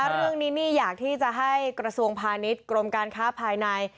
เรื่องนี้นี่อยากที่จะให้กระทรวงพาณิชย์กรมการค้าภายใน